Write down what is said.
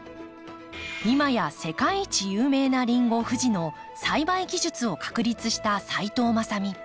今や世界一有名なリンゴふじの栽培技術を確立した齋藤昌美。